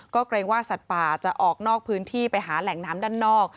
ก็เกรงว่าสัตว์ป่าจะออกนอกพื้นที่ไปหาแหล่งน้ำด้านนอก